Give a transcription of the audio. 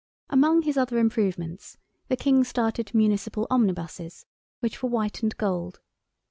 Among his other improvements, the King started municipal omnibuses, which were white and gold.